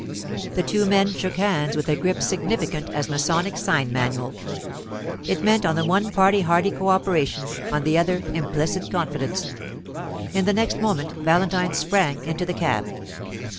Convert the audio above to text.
The two men shook hands with a grip significant as masonic sign manual. It meant on the one part hearty co operation, on the other implicit confidence. In the next moment Valentine sprang into the cab.